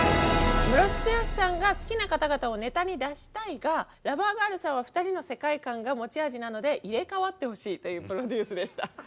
ムロツヨシさんが好きな方々をネタに出したいがラバーガールさんは２人の世界観が持ち味なので入れ代わってほしいというプロデュースでした。